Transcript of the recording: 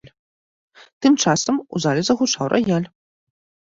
Тым часам у зале загучаў раяль.